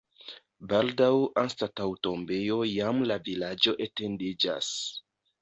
Baldaŭ anstataŭ tombejo jam la vilaĝo etendiĝas.